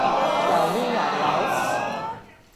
又呢又路？